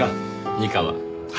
二課は。